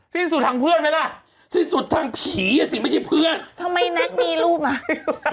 สิ้นสุดทางเพื่อนไหมล่ะสิ้นสุดทางผีอ่ะสิไม่ใช่เพื่อนทำไมแน็กมีรูปอ่ะ